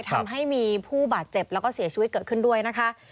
ทำให้มีผู้บาดเจ็บแล้วก็เสียชีวิตเกิดขึ้นด้วยนะคะ